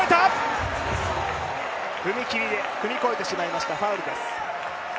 踏み切りで踏み越えてしまいました、ファウルです。